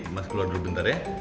mas keluar dulu bentar ya